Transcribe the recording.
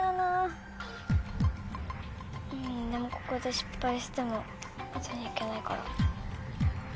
でもここで失敗しても後にいけないから。